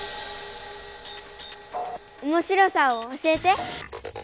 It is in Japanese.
おもしろさを教えて。